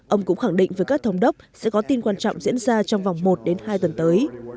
ông cũng khẳng định với các thống đốc sẽ có tin quan trọng diễn ra trong vòng một hai tuần tới